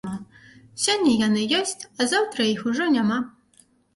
Сёння яны ёсць, а заўтра іх ужо няма.